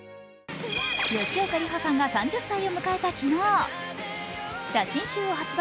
吉岡里帆さんが３０歳を迎えた昨日、写真集を発売。